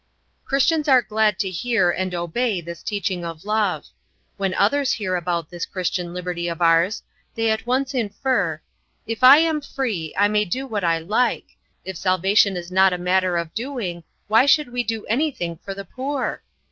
Christians are glad to hear and obey this teaching of love. When others hear about this Christian liberty of ours they at once infer, "If I am free, I may do what I like. If salvation is not a matter of doing why should we do anything for the poor?"